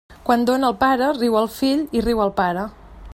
Quan dóna el pare, riu el fill i riu el pare.